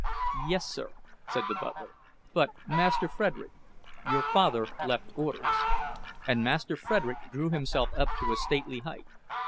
"Yes, sir," said the butler, "but, Master Frederick, your father left orders—" And Master Frederick drew himself up to a stately height.